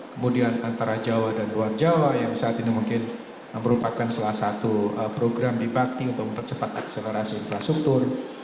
kemudian antara jawa dan luar jawa yang saat ini mungkin merupakan salah satu program di bakti untuk mempercepat akselerasi infrastruktur